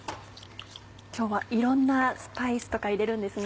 今日はいろんなスパイスとか入れるんですね。